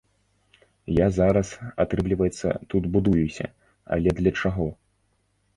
Я зараз, атрымліваецца, тут будуюся, але для чаго?